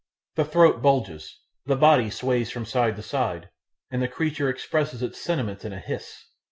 The throat bulges; the body sways from side to side; and the creature expresses its sentiments in a hiss.